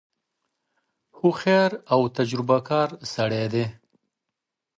هوښیار او تجربه کار سړی دی.